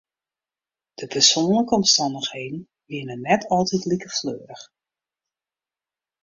De persoanlike omstannichheden wiene net altiten like fleurich.